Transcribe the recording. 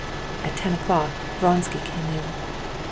At ten o'clock Vronsky came in.